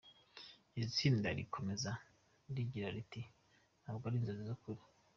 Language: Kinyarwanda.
Iri tsina rikomeza rigira riti “Ntabwo ari inzozi ni ukuri.